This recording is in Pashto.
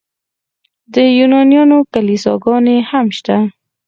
د یونانیانو کلیساګانې هم شته.